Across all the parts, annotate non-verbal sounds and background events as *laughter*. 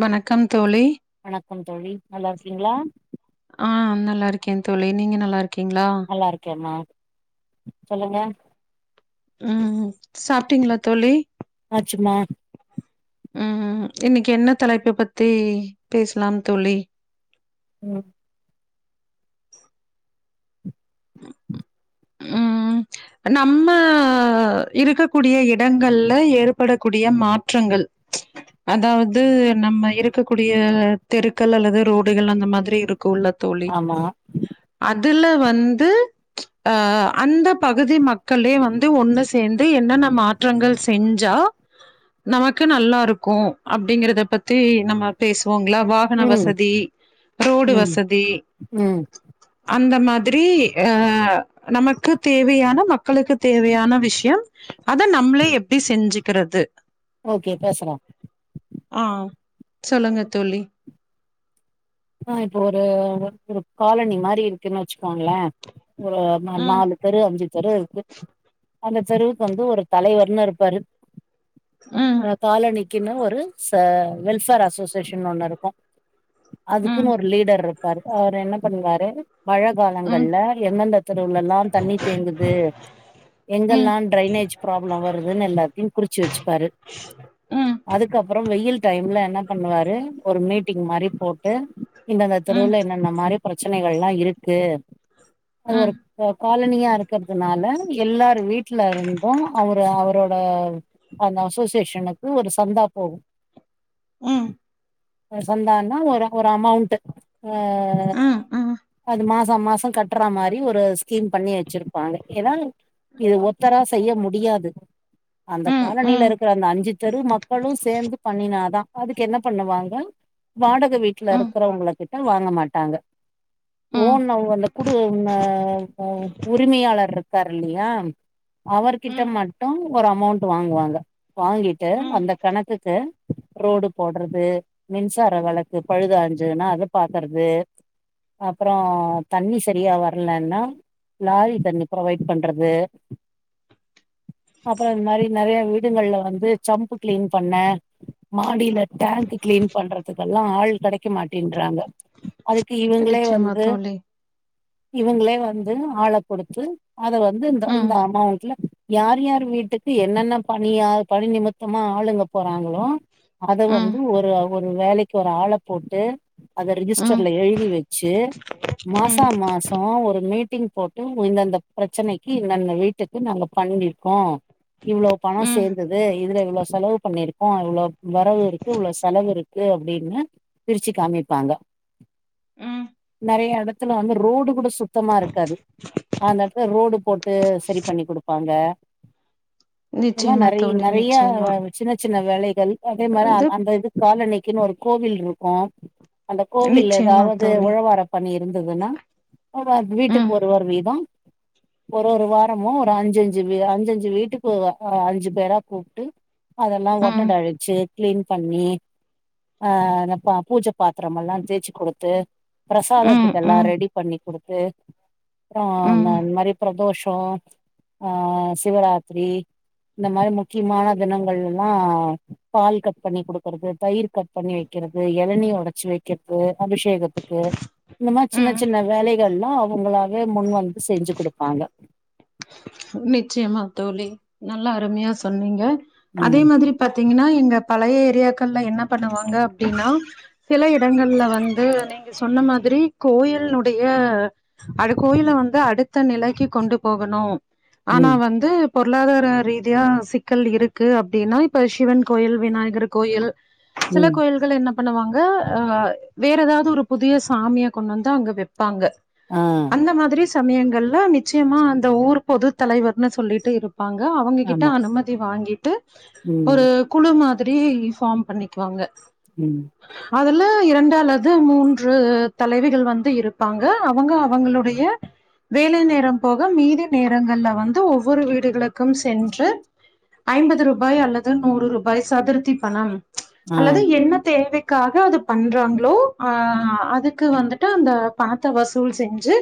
வணக்கம் தோழி வணக்கம் தோழி நல்லா இருக்கீங்களா ஆ நல்லா இருக்கே தோழி நீங்க நல்லா இருக்கீங்களா நல்லா இருக்கேமா சொல்லுங்க ம் ம் சாப்ட்டீங்களா தோழி ஆச்சுமா ம் ம் இன்னைக்கி என்ன தலைப்ப பத்தி பேசலாம் தோழி ம் ம் நம்ம இருக்கக்கூடிய இடங்கள்ல ஏற்படக்கூடிய மாற்றங்கள் அதாவது நம்ம இருக்கக்கூடிய தெருக்கள் அல்லது ரோடுகள் அந்த மாதிரி இருக்குல்ல தோழி ஆமா அதுல வந்து ஆ அந்த பகுதி மக்களே வந்து ஒண்ணு சேந்து என்னென்ன மாற்றங்கள் செஞ்சா நமக்கு நல்லா இருக்கு அப்டிங்கறத பத்தி நம்ம பேசுவோங்களா வா கன ம் வசதி ரோடு ம் வசதி ம் அந்த மாதிரி ஆ நமக்கு தேவையான மக்களுக்கு தேவையான விஷயம் அத நம்ளே எப்டி செஞ்சுக்கிறது ஓகே பேசலா ஆ சொல்லுங்க தோழி ஆ இப்போ ஒரு ஒரு காலனி மாரி இருக்குன்னு வெச்சுக்கோங்களே ஒரு நா ம், நாலு தெரு அஞ்சு தெரு இருக்கு அந்த தெருவுக்கு வந்து ஒரு தலைவர்னு இருப்பாரு ம், அந்த காலனிக்குன்னூ ஒரு ச வெல்ஃபேர் அசோசியேஷன் ஒண்ணு இருக்கூ ம், அதுக்குன்னு ஒரு லீடர் இருப்பாரு அவரு என்ன பண்ணுவாரு மழ ம், காலங்கள்ல எந்தெந்த தெருவுலல்லா தண்ணி தேங்குது ம், எங்கெல்லா டிரைனேஜ் ப்ராப்ளோ வருதுன்னு எல்லாத்தையு குறிச்சு வச்சுப்பாரு ம், அதுக்கப்றோ வெயில் டைம்ல என்ன பண்ணுவாரு ஒரு மீட்டிங் மாரி போட்டு இந்த இந்த ம், ம், தெருவுல இன்னன்ன மாரி பிரச்சனைகள்லா இருக்கு அது ம், ஒரு ஆ காலனியா இருக்கிறதுனால எல்லாரு வீட்ல இருந்து அவரு அவரோட அந்த அசோசியேஷனுக்கு ஒரு சந்தா போகு ம், ஆ சந்தான்னா ஒரு ஒரு அமௌண்ட்டு ஆ ம், ம், அது மாசா மாசோ கட்றா மாரி ஒரு ஸ்கீம் பண்ணி வச்சிருப்பாங்க ஏன்னா இது ஒருத்தரா செய்ய முடியாது அந்த ம், காலனில ம், இருக்கிற அந்த அஞ்சு தெரு மக்களு சேந்து பண்ணினாதா அதுக்கு என்ன பண்ணுவாங்க வாடக வீட்ல ம், இருக்கறவங்களு கிட்ட வாங்க மாட்டாங்க ம், ஓன் அவுங்க அந்த குடு ஆ ஆ உரிமையாளர் இருக்காரு இல்லையா அவர்கிட்ட மட்டு ஒரு அமௌண்ட் வாங்குவாங்க வாங்கிட்டு ம். அந்த கணக்குக்கு ரோடு போட்றது மின்சார வழக்கு பழுதடுஞ்சுதுன்னா அத பாக்குறத்து அப்புறோ தண்ணி சரியா வரலன்னா லாரி தண்ணி ப்ரொவைட் பண்றது அப்புறே இந்த மாதிரி நெறய வீடுங்கள்ல வந்து சம்பு கிளீன் பண்ண மாடியில டேங்க் கிளீன் பண்றதுக்கெல்லா ஆள் கிடைக்க மாட்டின்றாங்க அதுக்கு இவங்களே நிச்சயமா வந்து தோழி. இவங்களே வந்து ஆள கொடுத்து அத வந்து இந்த இந்த ம், அமௌண்ட்ல யார் யார் வீட்டுக்கு என்னென்ன பணியா பணி நிமித் தமா ஆளுங்க போறாங்களோ அத ம், வந்து ஒரு ஒரு வேலைக்கு ஒரு ஆளப் போட்டு அத ம், ம், ரிஜிஸ்டர்ல எழுதி வச்சு மாசா மாசொ ஒரு மீட்டிங் போட்டு இந்தந்த பிரச்சனைக்கு இந்தந்த வீட்டுக் இது நாங்க பண்ணிருக்கோ இவ்வளோ பணம் ம், சேர்ந்தது இதுல இவ்வளோ செலவு பண்ணிருக்கோ இவ்வளோ வரவு இருக்கு இவ்வளோ செலவு இருக்கு அப்டின்னு பிருச்சு காமிப்பாங்க ம். நெறய எடத்துல வந்து ரோடு கூட சுத் சுத்தமா இருக்காது அந்த எடத்துல ரோடு போட்டு சரி பண்ணி கொடுப்பாங்க இந்து மார் நிச்சயமா நெறய் தோழி நெறயா நிச்சயமா சின்ன சின்ன வேலைகள் அதே மாதிரி வந்து அந்த இதுக் காலணிக்குன்னு ஒரு கோவில் இருக்கோ அந்த கோவில்ல நிச்சயமா ஏதாவது தோழி உழவார பண்ணி இருந்ததுன்னா வருவார் வீட்டுக்கு ம் ஒருவர் வீதெ ஒரு ஒரு வாரமும் ஒரு அஞ்சஞ்சு அஞ்சஞ்சு வீட்டுக்கு அஞ்சு பேர கூப்ட்டு அதெல்லா ம் ஒட்டட அழிச்சு கிளீன் பண்ணி அ பூஜ பாத்திரமெல்லா தேய்ச்சு கொடுத்து ம் பிரசாதத்துக்கு எல்லா ம் ரெடி பண்ணி கொடுத்து அப்பறோ இந்த ம் அந்மாரி பிரதோஷோ ஆ சிவராத்திரி இந்த மாதிரி முக்கியமான தினங்களல்லா பால் கட் பண்ணி குடுக்கறது தயிர் கட் பண்ணி வெக்கிறது இது இளநீ உடைச்சு வைக்கிறது அபிஷேகத்துக்கு இந்மாரி சின்ன ம் சின்ன வேலைகள்லா அவங்களாவே முன் வந்து செஞ்சு கொடுப்பாங்க நிச்சயமா தோழி நல்லா அருமையா சொன்னீங்க அதே ம் மாதிரி பாத்தீங்கன்னா எங்க பழைய ஏரியாக்கள்ல என்ன பண்ணுவாங்க அப்படின்னா சில இடங்கள்ல வந்து நீங்க சொன்ன மாதிரி கோயில்னுடைய அ கோயில வந்து அடுத்த நிலைக்கு கொண்டு போகணு ஆனா ம் வந்து பொருளாதார ரீதியா சிக்கல் இருக்கு அப்படின்னா இப்ப சிவன் கோயில் விநாயகர் கோயில் சில ம் கோயில் கள் என்ன பண்ணுவாங்க அ வேற ஏதாவது ஒரு புதிய சாமிய கொண்டு வந்து அங்க வைப்பாங்க ஆ இந்த மாதிரி சமயங்கள்ல நிச்சயமா அந்த ஊர் பொது தலைவர்னு சொல்லிட்டு இருப் ப்பாங்க அவங்ககிட்ட ஆமா அனுமதி வாங்கிட்டு ம் ஒரு குழு மாதிரி ஃபார்ம் பண்ணிக்குவாங்க ம் அதுல இரண்டு அல்லது மூன்று தலைவிகள் வந்து இருப்பாங்க அவங்க அவங்களுடைய வேலை நேரம் போக மீதி நேரங்கள்ல வந்து ஒவ்வொரு வீடுகளுக்கும் சென்று ஐம்பது ரூபாய் அல்லது நூறு ரூபாய் சதுர்த்தி பணம் ஆ அல்லது என்ன தேவை க்காக அது பண்றாங்களோ அ அதுக்கு வந்திட்டு அந்த பணத்தை வசூல் செஞ்சு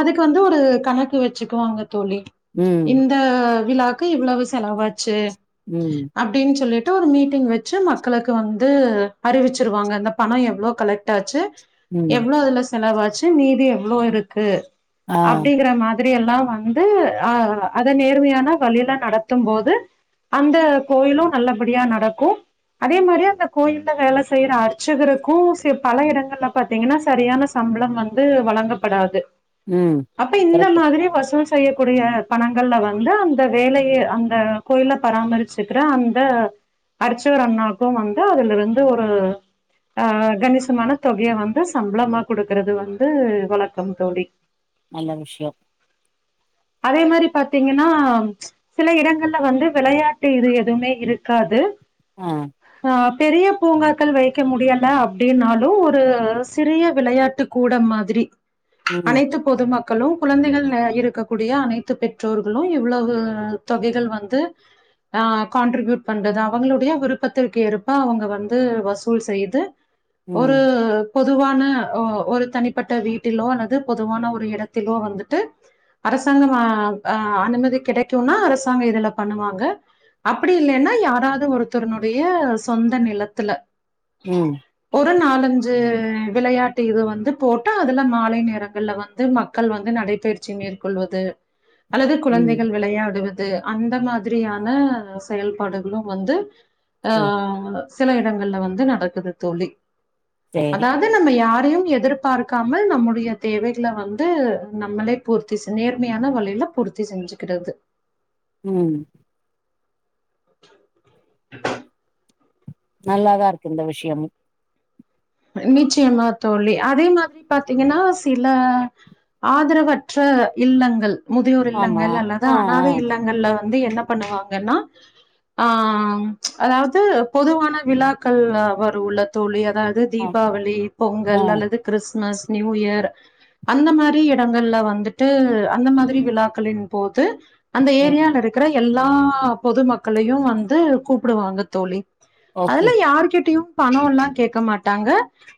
அதுக்கு வந்து ஒரு கணக்கு வச்சுக்குவாங்க தோழி ம் இந்த விழாக்கு இவ்வளவு செலவாச்சு ம் அப்படின்னு சொல்லிட்டு ஒரு மீட்டிங் வச்சு மக்களுக்கு வந்து அறிவிச்சிருவாங்க இந்த பணம் எவ்ளோ கலெக்ட் ஆச்சு ம் எவ்ளோ அதுல செலவாச்சு மீதி எவ்ளோ இருக்கு ஆ ங்கிற மாதிரி எல்லா வந்து ஆ அதை நேர்மையான வழியில நடத்தும் போது அந்த கோயிலு நல்லபடியா நடக்கும் அதே மாரியே அந்த கோயில்ல வேல செய்யற அர்ச்சுகர்க்கும் பல இடங்கள்ல பாத்தீங்கன்னா சரியான சம்பளம் வந்து வழங்கப்படாது ம் அப்ப இந்த கரெக்ட் மாதிரி வசூல் செய்யக்கூடிய பணங்கள்ல வந்து அந்த வேலயை அந்த கோயில பராமரிச்சுக்கிற அந்த அரிச்சகர் அண்ணாவுக்கு வந்து அதுல இருந்து ஒரு ஆ கணிசமான தொகைய வந்து சம்பளமா கொடுக்கறது வந்து வழக்கம் தோழி நல்ல விஷயம் அதே மாரி பாத்தீங்கன்னா சில இடங்கள்ல வந்து விளையாட்டு இது எதுமே இருக்காது ஆ ஆ பெரிய பூங்காக்கள் வைக்க முடியல அப்படின்னாலு ஒரு சிறிய விளையாட்டு கூட மாதிரி ம் அனைத்து பொதுமக்களு குழந்தைகள் இருக்க கூடிய அனைத்து பெற்றோர்களு இவ்வளவு தொகைகள் வந்து ஆ கான்ட்ரிபியூட் பண்றது அவங்களுடைய விருப்பத்திற்கு ஏற்ப அவங்க வந்து வசூல் செய்து ம் ஒரு பொதுவான ஒ ஒரு தனிப்பட்ட வீட்டிலோ அல்லது பொதுவான ஒரு இடத்திலோ வந்துட்டு அரசாங்கம் அ அ அனுமதி கிடைக்குனா அரசாங்க இதுல பண்ணுவாங்க அப்டி இல்லைன்னா யாராவது ஒருத்தருனுடைய சொந்த நிலத்துல ம் ஒரு நாலஞ்சு விளையாட்டு இது வந்து போட்டு அதுல மாலை நேரங்கள்ல வந்து மக்கள் வந்து நடைபயிற்சி மேற்கொள்வது அல்லது ம் குழந்தைகள் விளையாடுவது அது அந்த மாதிரியான செயல்பாடுகளும் வந்து ஆ சே சில இடங்கள்ல வந்து நடக்குது தோழி சேரி அதா ந்து நம்ம யாரையும் எதிர்பார்க்காமல் நம்முடைய தேவைகள வந்து நம்மளே பூர்த் தி நேர்மையான வழியில பூர்த்தி செஞ்சுக்குறது ம் நல்லாதா இருக்கு இந்த விஷயமு நிச்சயமா தோழி அதே மாதிரி பாத்தீங்கனா சில ஆதரவற்ற இல்லங்கள் முதியோர் ஆமா இல்லங்கள் அல்லது ஆ ஆ அனாதை இல்லங் கள்ல வந்து என்ன பண்ணுவாங்கனா ஆ அதாவது பொதுவான விழாக்கள் வருல தோழி அதாவது ஆ தீபாவளி ஆ பொங்கல் அல்லது கிறிஸ்மஸ் நியூ இயர் அந்த மாரி இடங்கள்ல வந்துட்டு அந்த மாரி விழாக்களின் போது அந்த ம் ஏரியால இருக்குற எல்லா பொது மக்களயும் வந்து கூப்புடுவாங்க தோழி ஓகே அதுலா யாருகிட்டயு பணோலா கேக்க மாட்டாங்க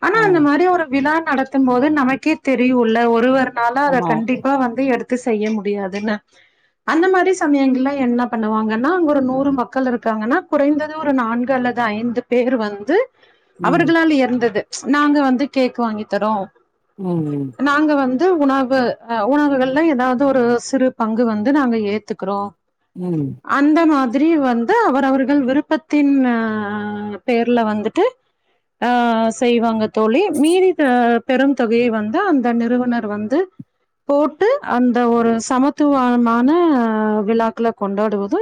ஆனா ஆ அந்த மாரி ஒரு விழா நடத்தும் போது நமக்கே தெரியுல ஒருவர் நால அத ஆமா கண்டிப்பா வந்து எடுத் து செய்ய முடியாதுனு அந்த மாரி சமயங்கள்ல என்ன பண்ணுவாங்கனா அங்க ஒரு நூறு மக்கள் இருக்காங்கனா குறைந்தது ஒரு நான்கு அல்ல து ஐந்து பேரு வந்து ம் வழி இருந்தது நாங்க வந்து கேக்கு வாங்கி தரோ ம் நாங்க வந்து உணவு அ உணவுகள்ல ஏதாவது ஒரு சிறு பங்கு வந்து நாங்க ஏத்துக்குறோ ம் அந்த மாதிரி வந்து அவர் அவர்கள் விருப்பத்தின் பேர்ல வந்துட்டு அ செய்வாங்க தோழி மீதி பெரும் தொகையை வந்து அந்த நிறுவனர் வந்து போட்டு அந்த ஒரு சமத்துவமான விழாக்கள கொண்டாடுவது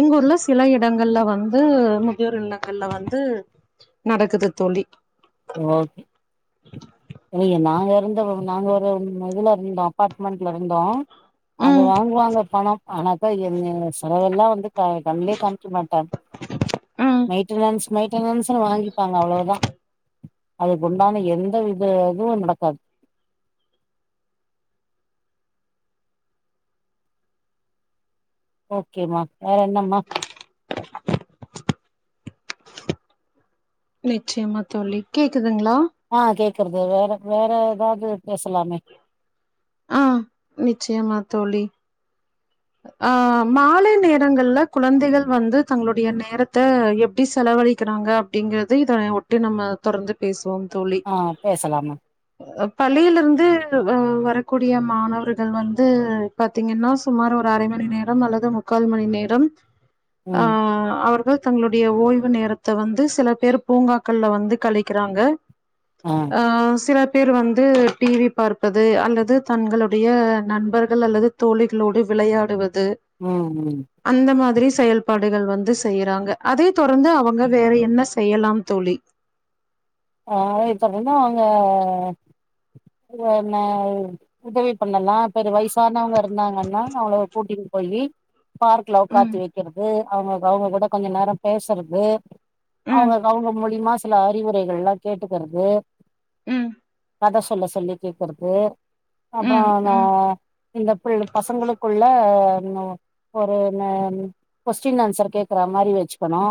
எங்க ஊர்ல சில இடங்கள்ல வந்து முதியோர் இல்லங்கள்ல வந்து நடக்குது தோழி ஓகே இல்லியே நாங்க இருந்த நாங்க ஒரு இதுல இருந்தோ அபார்ட்மெண்ட்ல இருந்தோ அங்க ம் வாங்குவாங்க பணோ ஆனாக்கா என்ன செலவெல்லா வந்து க கண்ணுலயே காமிக்க மாட்டாங்க ம் மெயின்டன்ஸ் மெயின்டன்ஸ்னு வாங்கிப்பாங்க அவ்ளோதா அதுக்கு உண்டான எந்த வித எதுவு நடக்காது ஓகேமா வேற என்னமா நிச்சயமா தோழி கேக்குதுங்ளா ஆ கேக்கறது வேற வேற ஏதாவது பேசலாமே ஆ நிச்சயமா தோழி ஆ மாலை நேரங்கள்ல குழந்தைகள் வந்து தங்களுடைய நேரத்த எப்டி செலவழி க்கிறாங்க அப்டிங்குறது இதனை ஒட்டி நம்ம தொடர்ந்து பேசுவோம் தோழி ஆ பேசலாமா அ பள்ளியிலிருந்து அ வரக்கூடிய மாணவர்கள் வந்து பாத்தீங்கனா சுமார் ஒரு அரை மணி நேரம் அல்லது முக்கால் மணி நேரம் அ ம் அவர்கள் தங்களுடைய ஓய்வு நேரத்த வந்து சில பேர் பூங்காக்கள்லா வந்து கழிக்கிறாங்க ம் அ சில பேர் வந்து டிவி பார்ப்பது அல்லது தங்களுடைய நண்பர்கள் அல்லது தோழிகளோடு விளையாடுவது ம் ம் அந்த மாதிரி செயல்பாடுகள் வந்து செய்யறாங்க அதே தொடர்ந்து அவங்க வேற என்ன செய்யலாம் தோழி ஆ இதலென்ன அவங்க என்னா உதவி பண்ணலா பெரு வயசானவங்க இருந்தாங்கன்னா அவுங்ள கூட்டின் போயி பார்க்ல ம் ஒக்காத்தி வைக்கிறது அவுங்க அவுங்க கூட கொஞ்ச நேர பேசுறது ம் அவுங்ளுக் அவங்க மூலிமா சில அறிவுரைகள் எல்லா கேட்டுக்கறது ம் கத சொல்ல சொல்லி கேக்றது அப்றோ ம் நா ம் இந்த புள் பசங்களுக்குள்ள இன்ன ஒரு நான் கொஸ்டின் ஆன்சர் கேக்ற மாரி வச்சுக்கணு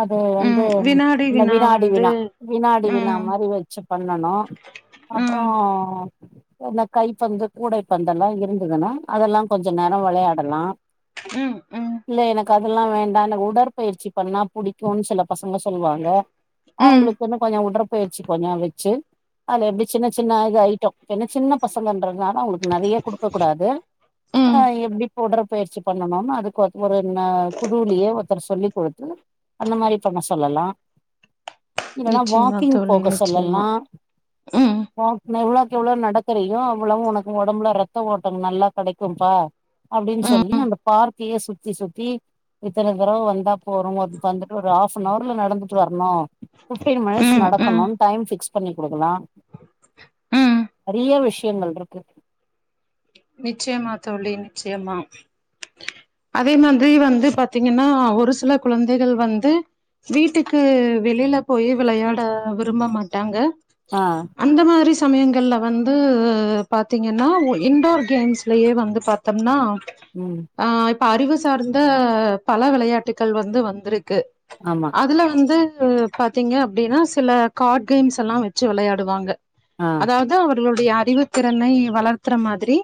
அது வந்து ம் வினாடி இந்த வினா வினாடி வந்து வினா வினாடி வினா ம் மாரி வச்சு பண்ணனு அப்பறோ ம் இந்த கைப்பந்து கூடைப்பந்து எல்லா இருந்ததுன்னா அதெல்லா கொஞ்ச நேரோ விளையாடலா ம், ம் இல்ல எனக்கு அதெல்லா வேண்டா எனக்கு உடற்பயிற்சி பண்ணா புடிக்குன்னு சில பசங்க சொல்லுவாங்க ம் அவுங்ளுக்கு வந்து கொஞ்ச உடற்பயிறச்சி கொஞ்ச வச்சி அதுல எப்டி சின்ன சின்ன இது ஐட்டோ ஏன சின்ன பசங்கன்றதுனால அவுனுக்கு நெறைய குடுக்க கூடாது ஆ ம் எப்டி உடற்பயிற்சி பண்ணம்னு அதுக்கு ஒரு குடுலியே ஒருத்தர சொல்லி் குடுத்து அந்த மாரி பண்ண சொல்லலா இல்லனா நிச்சயமா வாக்கிங் தோழி போக நிச்சயமா சொல்லலா ம் எவ்ளவுக்கு எவ்ளோ நடக்கியோ அவ்ளவு ஒனக்கு ஒடம்புல ரத்த ஓட்டம் நல்லா கெடைக்கும்பா அப்டின் ம் சொல்லி அந்த பார்கையே சுத்தி சுத்தி இத்தன தரவ வந்தா போது ஒரு வந்துட்டு ஒரு ஹாஃப் அன் அவர்ல நடந்துட்டு வரணு பிப்டீன் மினிட்ஸ் ம் நடக்கணு ம் டைம் பிக்ஸ்பன்னி குடுக்கலா ம் நெறைய விஷயங்கள் இருக்கு நிச்சயமா தோழி நிச்சயமா அதே மாதிரி வந்து பாத்தீங்கன்னா ஒரு சில குழந்தைகள் வந்து வீட்டுக்கு வெளியில போயி விளையாட விரும்ப மாட்டாங்க ஆ அந்த மாதிரி சமயங்கள்ல வந்து பாத்தீங்கன்னா இன்டோர் கேம்ஸ்லயே வந்து பாத்தோம்னா ம் ஆ இப்ப அறிவு சார்ந்த பல வெளயாட்டுகள் வந்து வந்துருக்கு ஆமா அதுல வந்து பாத்தீங்க அப்டின்னா சில கார்ட் கேம்ஸ் எல்லா வெச்சி வெளயாடுவாங்க ஆ அதாது அவர்களுடைய அறிவுத்திறனை வளர்த்துற மாதிரி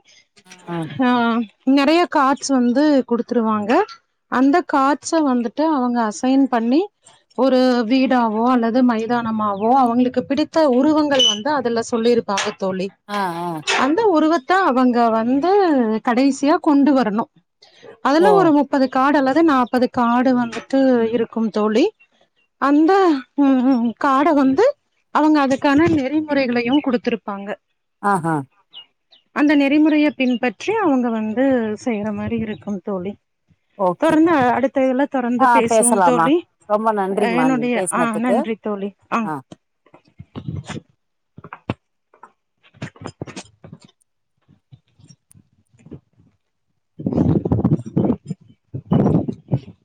ஆ ஆ நெறைய கார்ட்ஸ் வந்து குடுத்துருவாங்க அந்த கார்ட்ஸு வந்துட்டு அவங்க அசைன் பண்ணி ஒரு வீடாவோ அல்லது மைதானமாவோ அவுங்ளுக்கு பிடித்த உருவங்கள் வந்து அதுல சொல்லிரு ப்பாங்க தோழி ஆ ஆ அந்த உருவத்த அவங்க வந்து கடைசியா கொண்டு வரனு ஓ அதுல ஒரு அது கார்டு அளவு நாப்பது கார்டு வந்துட்டு இருக்கும் தோழி அந்த ம் ம் கார்ட வந்து அவங்க அதுக்கான நெறிமுறைகளையு குடுத்துருப்பாங்க ஆஹா அந்த நெறிமுறையை பின்பற்றி அவங்க வந்து செய்யற மாரி இருக்கும் தோழி *inaudible* ஓகே தொடர்ந்து அடுத்த இதுல தொடர்ந்து ஆ பேசுவோம் பேசலாமா தோழி ரொம்ப நன்றிமா நீங்க என்னுடைய ஆ பேசுனதுக்கு நன்றி தோழி ம் ஆ *inaudible* *inaudible*